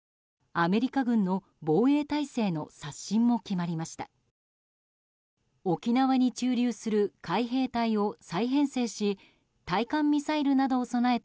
アメリカ軍の防衛体制の刷新も決まりました。